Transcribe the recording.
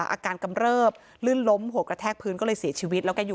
กำเริบลื่นล้มหัวกระแทกพื้นก็เลยเสียชีวิตแล้วแกอยู่